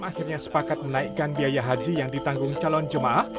akhirnya sepakat menaikkan biaya haji yang ditanggung calon jemaah